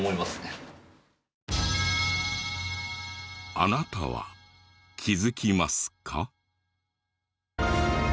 あなたは気づきますか？